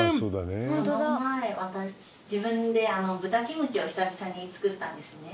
この前私自分であの豚キムチを久々に作ったんですね